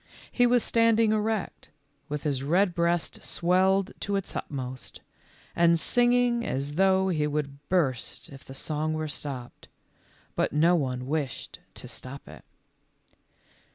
He was standing erect, with his red breast swelled to its utmost, and sinaino' as though he would burst if the sons* were stopped ; but no one wished to stop it.